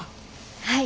はい。